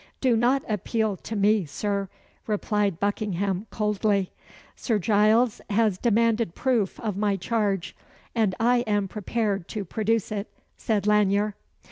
"Do not appeal to me, Sir," replied Buckingham, coldly. "Sir Giles has demanded proof of my charge, and I am prepared to produce it," said Lanyere.